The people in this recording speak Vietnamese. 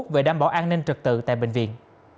về đảm bảo an ninh trực tự tại bệnh viện